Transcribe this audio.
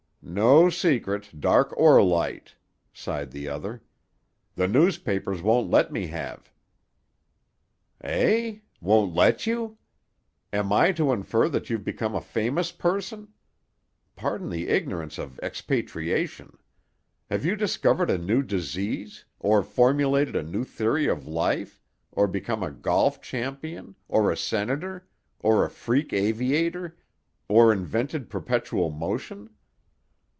"No secret, dark or light," sighed the other. "The newspapers won't let me have." "Eh? Won't let you? Am I to infer that you've become a famous person? Pardon the ignorance of expatriation. Have you discovered a new disease, or formulated a new theory of life, or become a golf champion, or a senator, or a freak aviator, or invented perpetual motion?